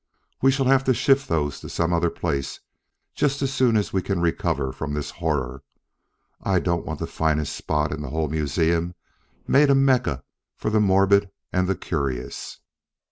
We shall have to shift those to some other place just as soon as we can recover from this horror. I don't want the finest spot in the whole museum made a Mecca for the morbid and the curious."